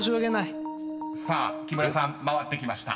［さあ木村さん回ってきました］